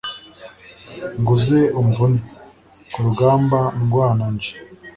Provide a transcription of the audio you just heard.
ngo uze umvune, ku rugamba ndwana nje